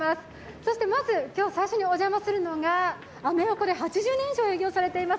そしてまず今日最初にお邪魔するのが、アメ横で８０年以上営業されています